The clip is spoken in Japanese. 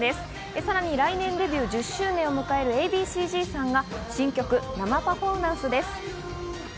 さらに来年デビュー１０周年を迎えるＡ．Ｂ．Ｃ−Ｚさんが新曲生パフォーマンスです。